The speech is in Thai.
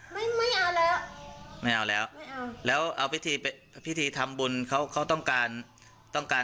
ไม่ไม่เอาแล้วไม่เอาแล้วไม่เอาแล้วเอาพิธีไปพิธีพิธีทำบุญเขาเขาต้องการต้องการ